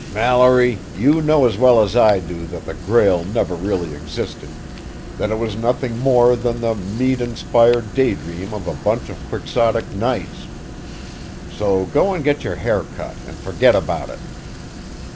"Mallory, you know as well as I do that the Grail never really existed, that it was nothing more than the mead inspired daydream of a bunch of quixotic knights. So go and get your hair cut and forget about it."